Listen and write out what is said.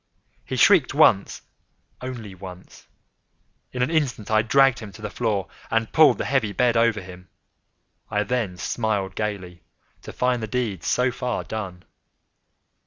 He shrieked once—once only. In an instant I dragged him to the floor, and pulled the heavy bed over him. I then smiled gaily, to find the deed so far done.